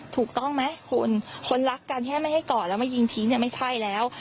ถูกต้องไหมคุณคนรักกันแค่ไม่ให้กอดแล้วมายิงทิ้งเนี่ยไม่ใช่แล้ว